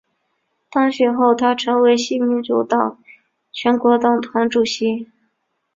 当选后她成为新民主党全国党团主席。